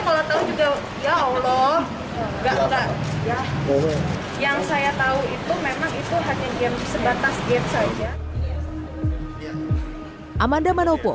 salah pahaman saja yang saya tahu itu memang itu hanya game sebatas game saja amanda manopo